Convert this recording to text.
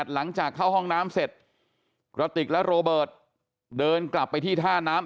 หลังจากเข้าห้องน้ำเสร็จกระติกและโรเบิร์ตเดินกลับไปที่ท่าน้ำ